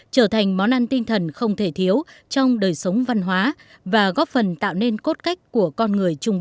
trở thành món ăn tinh thần không thể thiếu trong đời sống văn hóa và góp phần tạo nên cốt cách của con người trung quốc